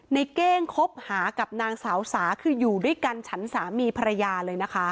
เก้งคบหากับนางสาวสาคืออยู่ด้วยกันฉันสามีภรรยาเลยนะคะ